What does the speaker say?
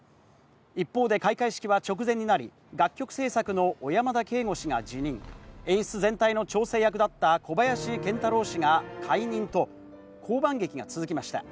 一方で開会式は直前になり、楽曲制作の小山田圭吾氏が辞任、演出全体の調整役だった小林賢太郎氏が解任と降板劇が続きました。